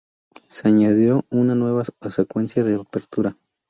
Se añadió una nueva secuencia de apertura.